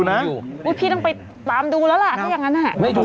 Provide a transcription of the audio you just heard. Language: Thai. อ่ะเสียขึ้นมาหน่อยเร็ว